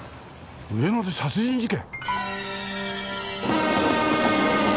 上野で殺人事件！？